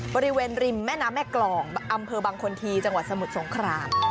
บริเวณริมแม่น้ำแม่กรองอำเภอบางคนทีจังหวัดสมุทรสงคราม